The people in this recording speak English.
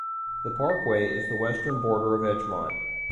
The parkway is the western border of Edgemont.